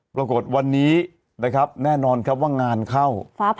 ปรากฏวันนี้นะครับแน่นอนครับว่างานเข้า